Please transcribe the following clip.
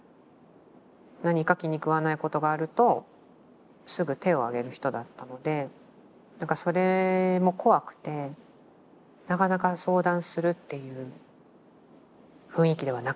何か気にくわないことがあるとすぐ手を上げる人だったのでなんかそれも怖くてなかなか相談するっていう雰囲気ではなかったですね。